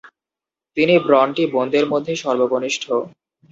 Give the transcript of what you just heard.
তিনি ব্রন্টি বোনদের মধ্যে সর্বকনিষ্ঠ।